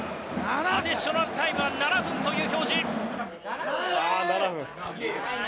アディショナルタイムは７分という表示。